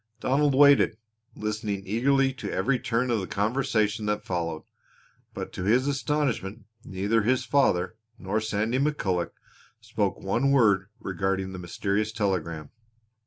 Donald waited, listening eagerly to every turn of the conversation that followed, but to his astonishment neither his father nor Sandy McCulloch spoke one word regarding the mysterious telegram.